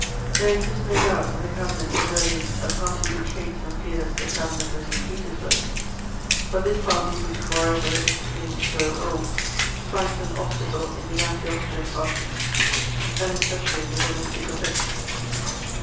"There exists, no doubt, in the Cabinet of Berlin a party which hates and fears the Cabinet of St. Petersburg; but this party, which, moreover, is beginning to grow old, finds an obstacle in the anti Austrian party, and especially in the domestic affections.